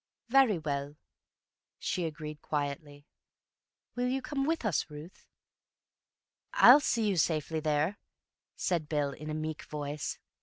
"Very well," she agreed quietly. "You will come with us, Ruth?" "I'll see you safely there," said Bill in a meek voice.